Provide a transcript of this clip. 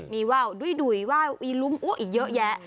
มีว้าวดุ้ยว้าวอีรุมอุ๊ะอีกเยอะแยะ